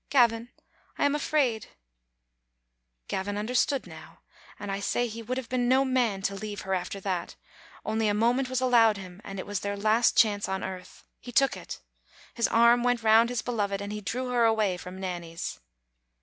"Gavin, I am afraid." Gavin understood now, and I say he would have been no man to leave her after that; only a moment was allowed him, and it was their last chance on earth. He took it. His arm went round his beloved, and he drew her away from Nanny's.